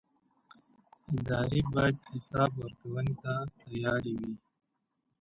ادارې باید حساب ورکونې ته تیار وي